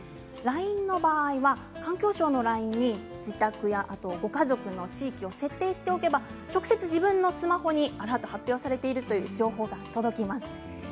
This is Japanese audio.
ＬＩＮＥの場合は環境省のＬＩＮＥに自宅やご家族の地域を設定しておけば直接、自分のスマホにアラートが発表されているという情報が届きます。